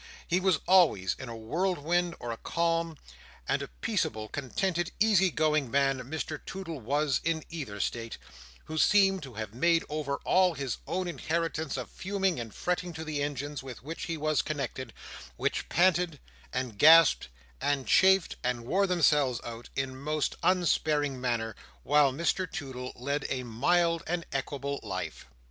He was always in a whirlwind or a calm, and a peaceable, contented, easy going man Mr Toodle was in either state, who seemed to have made over all his own inheritance of fuming and fretting to the engines with which he was connected, which panted, and gasped, and chafed, and wore themselves out, in a most unsparing manner, while Mr Toodle led a mild and equable life.